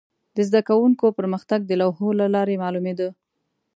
د زده کوونکو پرمختګ د لوحو له لارې معلومېده.